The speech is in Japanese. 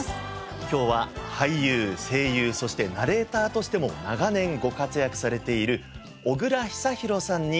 今日は俳優声優そしてナレーターとしても長年ご活躍されている小倉久寛さんにお越し頂きました。